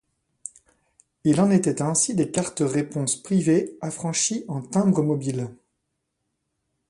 Il en était ainsi des cartes-réponses privées affranchies en timbres mobiles.